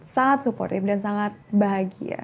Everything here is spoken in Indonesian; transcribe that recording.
sangat supportif dan sangat bahagia